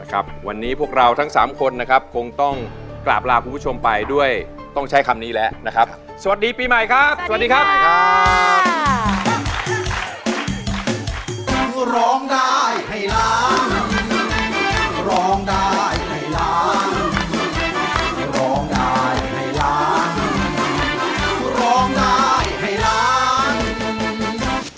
ครับวันนี้พวกเราทั้งสามคนนะครับคงต้องกราบลาคุณผู้ชมไปด้วยต้องใช้คำนี้แล้วนะครับสวัสดีปีใหม่ครับสวัสดีครับสวัสดีครับ